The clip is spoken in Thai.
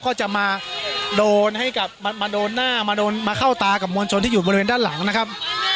ก็จะมาโดนให้กลับมาโดนหน้ามาโดนมาเข้าตากับมวลชนที่อยู่บริเวณด้านหลังนะครับ